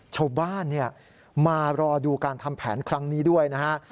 ชาวบ้านมารอดูการทำแผนครั้งนี้ด้วยนะฮะ